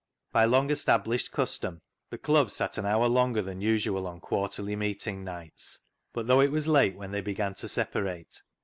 By long established custom the Club sat an hour longer than usual on Quarterly Meeting nights ; but though it was late when they began to separate.